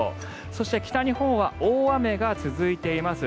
そして北日本は大雨が続いています。